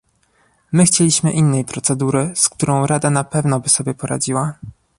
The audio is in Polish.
My chcieliśmy innej procedury, z którą Rada na pewno by sobie poradziła